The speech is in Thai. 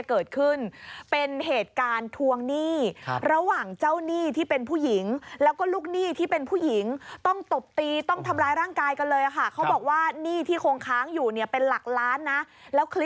คุณผู้ชมทรีย์มาให้อย่างเนี้ยละนะคะ